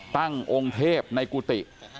ตั้งองค์เทพในกุฏิ